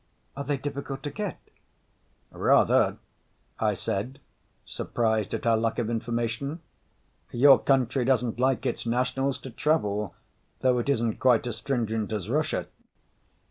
"Are they difficult to get?" "Rather," I said, surprised at her lack of information. "Your country doesn't like its nationals to travel, though it isn't quite as stringent as Russia."